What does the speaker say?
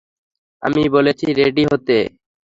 আমি বলেছি রেডি হতে।